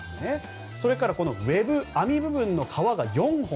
それから、ウェブ網部分の革が４本。